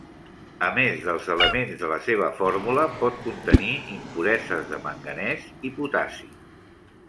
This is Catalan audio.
A més dels elements de la seva fórmula, pot contenir impureses de manganès i potassi.